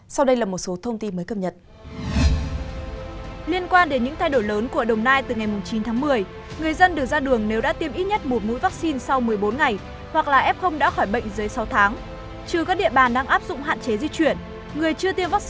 sau đây là một số thông tin mới cập nhật